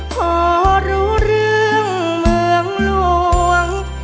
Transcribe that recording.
พอรู้เรื่องเมืองหลวง